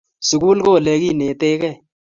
Sukul ko olenietekei